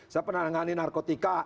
saya pernah menangani narkotika